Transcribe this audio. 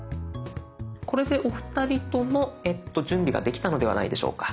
これでお二人とも準備ができたのではないでしょうか。